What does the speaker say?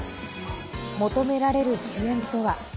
求められる支援とは？